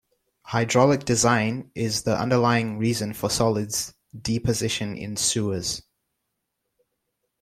Hydraulic design is the underlying reason for solids deposition in sewers.